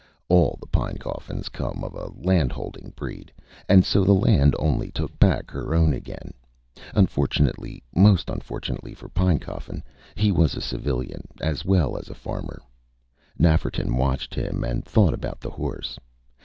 All the Pinecoffins come of a landholding breed, and so the land only took back her own again. Unfortunately most unfortunately for Pinecoffin he was a Civilian, as well as a farmer. Nafferton watched him, and thought about the horse.